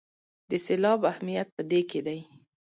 د سېلاب اهمیت په دې کې دی.